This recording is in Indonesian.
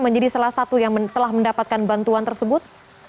menjadi salah satu yang telah mendapatkan bantuan tersebut